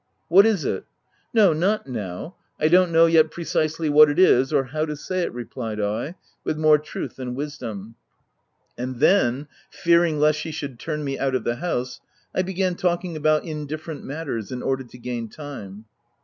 " What is it?" " No, not now — I don't know yet precisely what it is — or how to say it," replied I, with more truth than wisdom ; and then, fearing lest she should turn me out of the house, I began talking about indifferent matters in order to gain time.